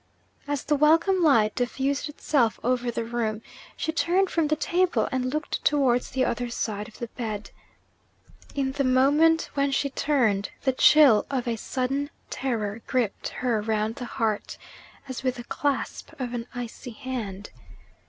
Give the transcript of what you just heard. As the welcome light diffused itself over the room, she turned from the table and looked towards the other side of the bed. In the moment when she turned, the chill of a sudden terror gripped her round the heart, as with the clasp of an icy hand.